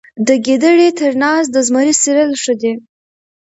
د ګیدړ تر ناز د زمري څیرل ښه دي.